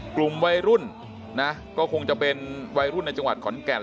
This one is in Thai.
กลุ่มวัยรุ่นนะก็คงจะเป็นวัยรุ่นในจังหวัดขอนแก่น